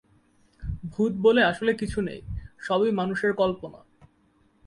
ভুত বলে আসলে কিছু নেই, সবই মানুষের কল্পনা।